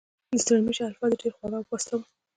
د ستړي مشي الفاظ یې ډېر خواږه او پاسته وو.